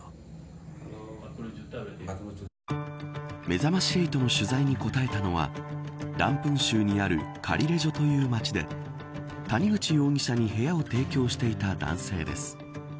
めざまし８の取材に答えたのはランプン州にあるカリレジョという町で谷口容疑者に部屋を提供していた男性です。